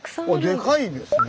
でかいですね。